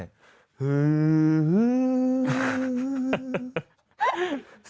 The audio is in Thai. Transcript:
ฮือ